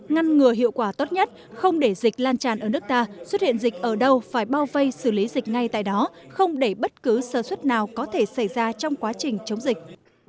ngăn ngừa hiệu quả tốt nhất không để dịch lan tràn ở nước ta xuất hiện dịch ở đâu phải bao vây xử lý dịch ngay tại đó không để bất cứ sơ xuất nào có thể xảy ra trong quá trình chống dịch